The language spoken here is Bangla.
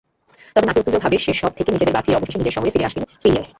তবে নাটকীয়ভাবে সেসব থেকে নিজেদের বাঁচিয়ে অবশেষে নিজের শহরে ফিরে আসেন ফিলিয়াস।